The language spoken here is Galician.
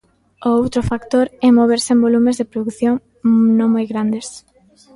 O outro factor é moverse en volumes de produción non moi grandes.